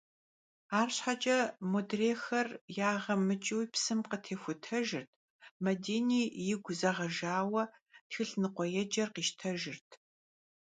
Arşheç'e modrêyxer yağe mıç'ıu psım khıtêxutejjırt, Madini, yigu zeğejjaue, txılh nıkhueêcer khiştejjırt.